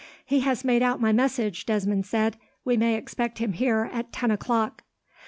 "He has made out my message," Desmond said. "We may expect him here at ten o'clock."